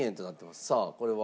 さあこれは。